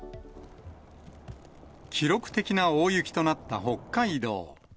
記録的な大雪となった北海道。